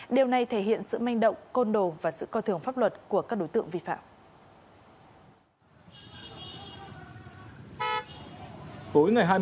điều này thể hiện sự manh động côn đồ và sự coi thường pháp luật của các đối tượng vi phạm